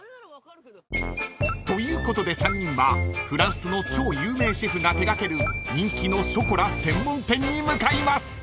［ということで３人はフランスの超有名シェフが手掛ける人気のショコラ専門店に向かいます］